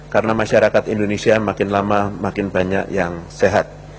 karena masyarakat indonesia makin lama makin banyak yang sehat